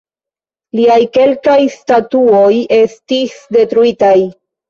Liaj kelkaj statuoj estis detruitaj.